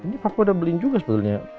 ini paku udah beliin juga sebetulnya